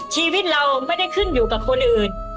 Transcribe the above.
ชีวิตเราไม่ได้ขึ้นอยู่กับคนอื่น